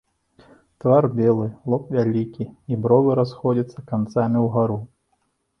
Твар белы, лоб вялікі, і бровы расходзяцца канцамі ўгару.